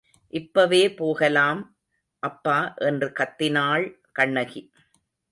இப்பவே போகலாம், அப்பா என்று கத்தினாள் கண்ணகி.